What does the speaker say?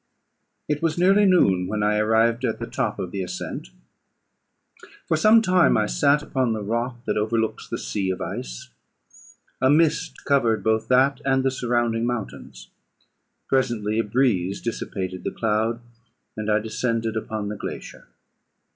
It was nearly noon when I arrived at the top of the ascent. For some time I sat upon the rock that overlooks the sea of ice. A mist covered both that and the surrounding mountains. Presently a breeze dissipated the cloud, and I descended upon the glacier.